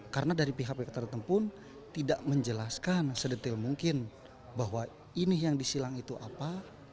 karena dari pihak pihak tertentu pun tidak menjelaskan sedetil mungkin bahwa ini yang disilang itu apa